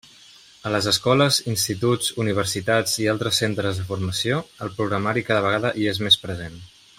A les escoles, instituts, universitats i altres centres de formació el programari cada vegada hi és més present.